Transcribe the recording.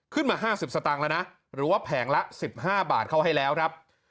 ๕๐สตางค์แล้วนะหรือว่าแผงละ๑๕บาทเข้าให้แล้วครับ